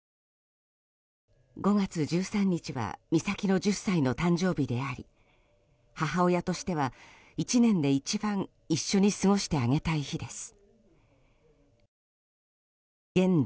５月１３日は美咲の１０歳の誕生日であり母親としては１年で一番一緒に過ごしてあげたい日です。